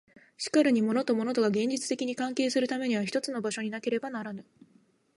しかるに物と物とが現実的に関係するためには一つの場所になければならぬ。